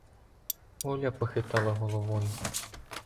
Оля похитала головою.